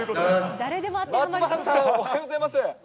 松原さん、おはようございます。